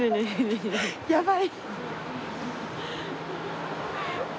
やばい。